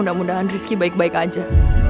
mudah mudahan rizky baik baik aja